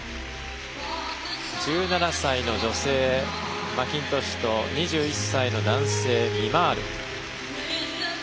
１７歳の女性、マキントシュと２１歳の男性、ミマール。